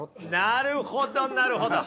なるほどなるほどはい！